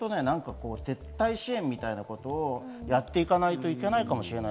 撤退してみたいなことをやっていかないといけないかもしれない。